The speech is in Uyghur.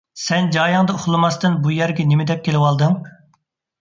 سەن جايىڭدا ئۇخلىماستىن بۇ يەرگە نېمىدەپ كېلىۋالدىڭ؟